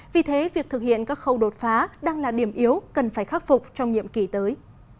vì thế việc thực hiện các khâu đột phá đang là điểm yếu cần phải khắc phục trong nhiệm kỳ tới